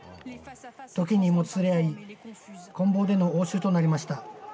時に、もつれ合いこん棒での応酬となりました。